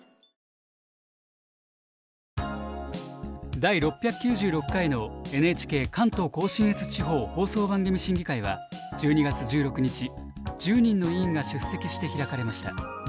第６９６回のＮＨＫ関東甲信越地方放送番組審議会は１２月１６日１０人の委員が出席して開かれました。